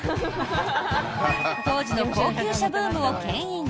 当時の高級車ブームをけん引。